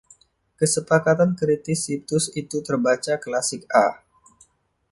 Kesepakatan kritis situs itu terbaca, klasik A.